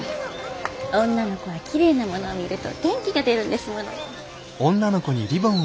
女の子はきれいなものを見ると元気が出るんですもの。